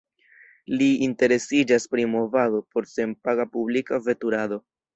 Li interesiĝas pri Movado por senpaga publika veturado.